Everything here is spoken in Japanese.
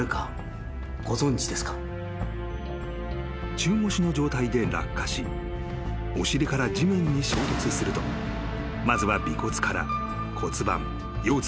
［中腰の状態で落下しお尻から地面に衝突するとまずは尾骨から骨盤腰椎を損傷］